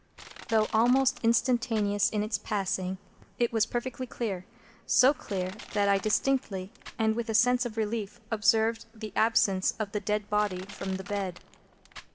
Though almost instantaneous in its passing, it was perfectly clear; so clear that I distinctly, and with a sense of relief, observed the absence of the dead body from the bed.